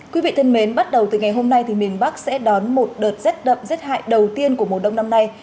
quý vị thân mến bắt đầu từ ngày hôm nay thì miền bắc sẽ đón một đợt rét đậm rét hại đầu tiên của mùa đông năm nay